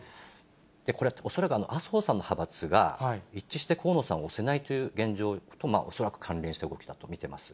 これ、恐らく麻生さんの派閥が、一致して河野さんを推せないという現状と恐らく関連した動きだと見ています。